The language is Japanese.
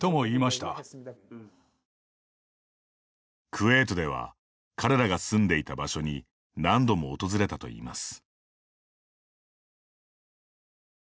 クウェートでは彼らが住んでいた場所に何度も訪れたといいます。